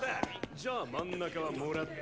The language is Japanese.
・じゃあ真ん中はもらった！！